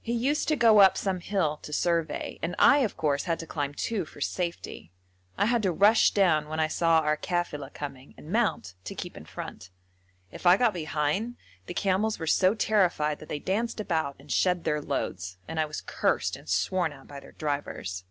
He used to go up some hill to survey, and I, of course, had to climb too for safety. I had to rush down when I saw our kafila coming and mount, to keep in front. If I got behind, the camels were so terrified that they danced about and shed their loads, and I was cursed and sworn at by their drivers.